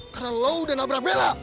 karena lu udah nabra pela